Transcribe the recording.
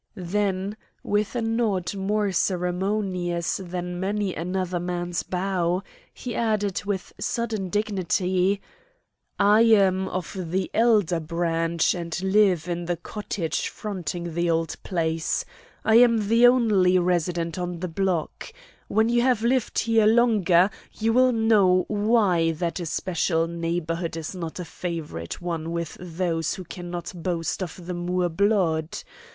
Then, with a nod more ceremonious than many another man's bow, he added, with sudden dignity: "I am of the elder branch and live in the cottage fronting the old place. I am the only resident on the block. When you have lived here longer you will know why that especial neighborhood is not a favorite one with those who can not boast of the Moore blood.